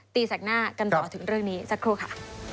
แสกหน้ากันต่อถึงเรื่องนี้สักครู่ค่ะ